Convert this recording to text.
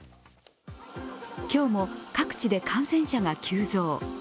今日も各地で感染者が急増。